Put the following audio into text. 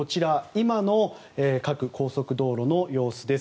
今の各高速道路の様子です。